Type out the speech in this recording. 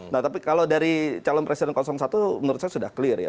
nah tapi kalau dari calon presiden satu menurut saya sudah clear ya